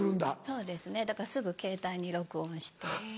そうですねだからすぐケータイに録音して。